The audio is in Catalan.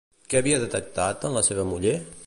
Què havia detectat en la seva muller?